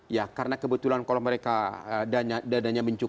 ya karena kebetulan kalau mereka dadanya mencukupi